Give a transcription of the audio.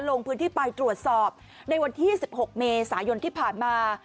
ลงพื้นที่ไปตรวจสอบในวันที่๑๖เมษายนที่ผ่านมา